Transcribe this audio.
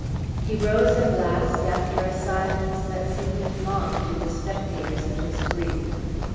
He rose at last, after a silence that seemed long to the spectators of his grief.